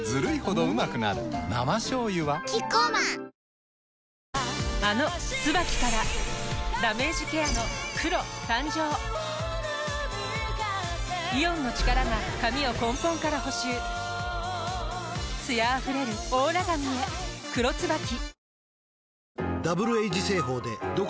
生しょうゆはキッコーマンあの「ＴＳＵＢＡＫＩ」からダメージケアの黒誕生イオンの力が髪を根本から補修艶あふれるオーラ髪へ「黒ＴＳＵＢＡＫＩ」